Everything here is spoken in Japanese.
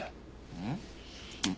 うん。